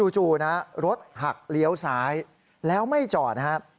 จู่นะรถหักเลี้ยวซ้ายแล้วไม่จอดนะครับ